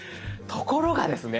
ところがですね